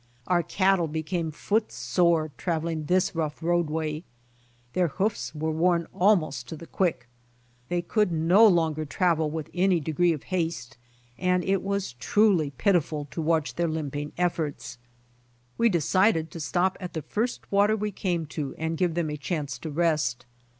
Our cattle became foot sore traveling this rough roadway. Their hoofs were worn almost to the quick. They could no longer travel with any degree of haste, and it was truly pitiful to watch their limping efforts. ARRIVING AT FORT LARAMIE 75 We decided, to stop at the first water we came to and give them a chance to rest.